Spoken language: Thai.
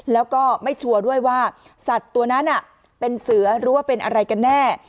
แล้วก็ไม่ชัวร์ด้วยว่าสัตว์ตัวนั้นเป็นเสือหรือว่าเป็นอะไรกันแน่